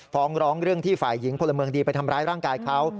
ฟ้องร้องเรื่องที่ฝ่ายหญิงพลเมืองดีไปทำร้ายร่างกายเขา